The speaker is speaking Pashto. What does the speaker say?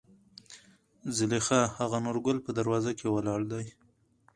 زليخا : هغه نورګل په دروازه کې ولاړ دى.